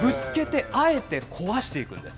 ぶつけてあえて壊していくんです。